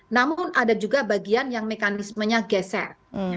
namun ada juga bagian yang mekanismenya geser